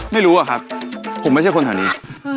ไม่รู้อะครับผมไม่ใช่คนแถวนี้